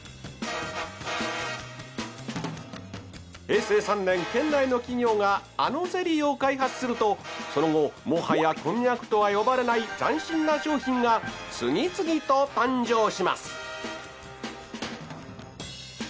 平成３年県内の企業があのゼリーを開発するとその後もはやこんにゃくとは呼ばれない斬新な商品が次々と誕生します。